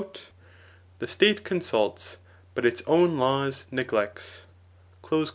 The state consults, but its awn laws neglects.